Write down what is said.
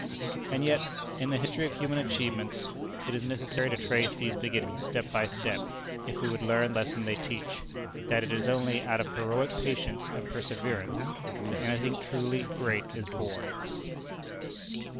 And yet in the history of human achievements, it is necessary to trace these beginnings step by step, if we would learn the lesson they teach, that it is only out of heroic patience and perseverance that anything truly great is born.